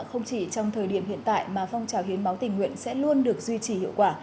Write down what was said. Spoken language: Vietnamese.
không chỉ trong thời điểm hiện tại mà phong trào hiến máu tình nguyện sẽ luôn được duy trì hiệu quả